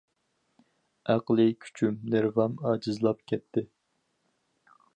ئەقلىي كۈچۈم، نېرۋام ئاجىزلاپ كەتتى...